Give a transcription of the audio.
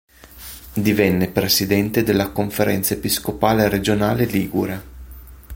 Divenne presidente della Conferenza episcopale regionale ligure.